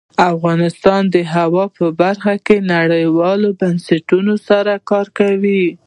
افغانستان د هوا په برخه کې نړیوالو بنسټونو سره کار کوي.